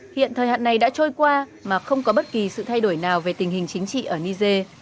hiện thời hạn này đã trôi qua mà không có bất kỳ sự thay đổi nào về tình hình chính trị ở niger